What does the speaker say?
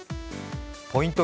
ポイント